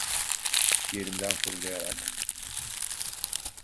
Yerimden fırlayarak: